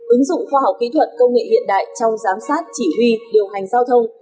ứng dụng khoa học kỹ thuật công nghệ hiện đại trong giám sát chỉ huy điều hành giao thông